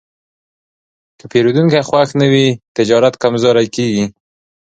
که پیرودونکی خوښ نه وي، تجارت کمزوری کېږي.